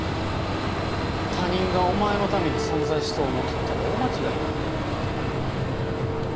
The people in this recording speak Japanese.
他人がお前のために存在しとう思っとったら大間違いや。